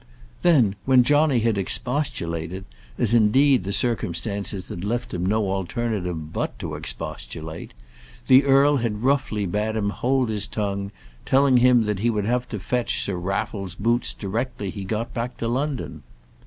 Then, when Johnny had expostulated, as, indeed, the circumstances had left him no alternative but to expostulate, the earl had roughly bade him hold his tongue, telling him that he would have to fetch Sir Raffle's boots directly he got back to London.